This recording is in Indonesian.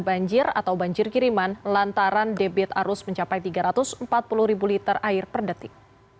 banjir atau banjir kiriman lantaran debit arus mencapai tiga ratus empat puluh ribu liter air per detik